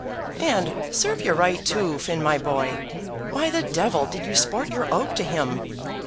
"And serve you right, too, Finn, my boy. Why the devil did you sport your oak to him?